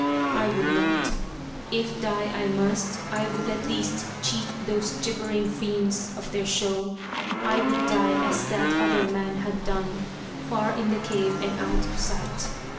I would not. If die I must, I would at least cheat those gibbering fiends of their show. I would die as that other man had done, far in the cave and out of sight.